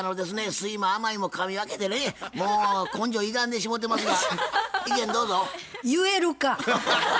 酸いも甘いもかみ分けてねもう根性ゆがんでしもうてますが意見どうぞ。言えるか。